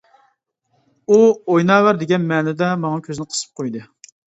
ئۇ ئويناۋەر دېگەن مەنىدە ماڭا كۆزىنى قىسىپ قويدى.